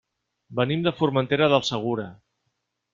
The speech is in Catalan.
Venim de Formentera del Segura.